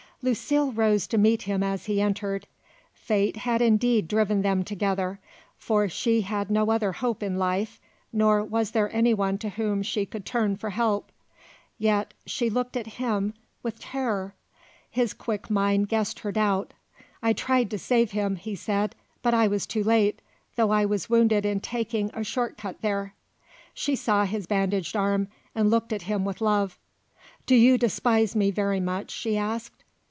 Lucile rose to meet him as he entered. Fate had indeed driven them together, for she had no other hope in life, nor was there anyone to whom she could turn for help. Yet she looked at him with terror. His quick mind guessed her doubt. "I tried to save him," he said; "but I was too late, though I was wounded in taking a short cut there." She saw his bandaged arm, and looked at him with love. "Do you despise me very much?" she asked.